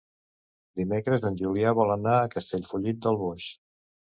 Dimecres en Julià vol anar a Castellfollit del Boix.